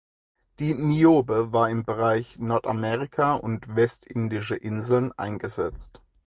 Die "Niobe" war im Bereich Nordamerika und Westindische Inseln eingesetzt.